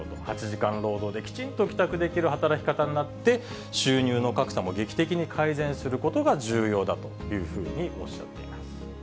８時間労働できちんと帰宅できる働き方になって、収入の格差も劇的に改善することが重要だというふうにおっしゃっ